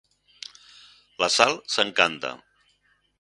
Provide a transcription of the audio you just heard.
La Sal s'encanta.